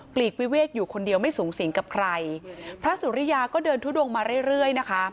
ลีกวิเวกอยู่คนเดียวไม่สูงสิงกับใครพระสุริยาก็เดินทุดงมาเรื่อยเรื่อยนะคะ